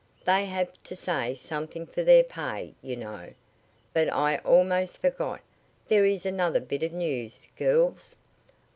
They have to say something for their pay, you know. But I almost forgot. There is another bit of news, girls."